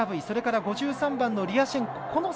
それから５３番のリアシェンコ。